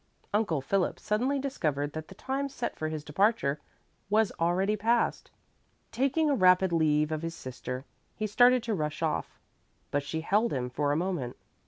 Uncle Philip suddenly discovered that the tune set for his departure was already past. Taking a rapid leave of his sister, he started to rush off, but she held him for a moment.